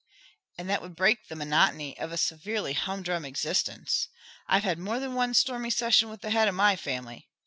"And that would break the monotony of a severely humdrum existence. I've had more than one stormy session with the head of my family.